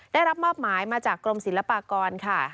ได้รับมอบหมายมาจากกรมศิลปากรค่ะ